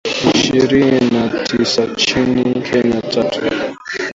ishirini na tisanchini Kenya tatu